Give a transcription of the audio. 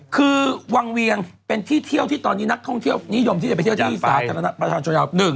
คือวังเวียงเป็นที่เที่ยวที่ตอนนี้นักท่องเที่ยวนิยมที่จะไปเที่ยวที่สาธารณะประชาชนยาว